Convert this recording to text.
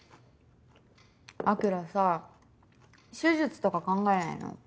晶さ手術とか考えないの？